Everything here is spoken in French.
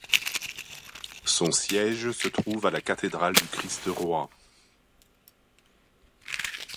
Son siège se trouve à la Cathédrale du Christ-Roi.